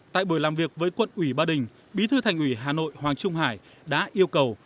tại buổi làm việc với quận ủy ba đình bí thư thành ủy hà nội hoàng trung hải đã yêu cầu